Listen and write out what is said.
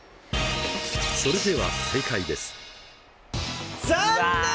それでは正解です。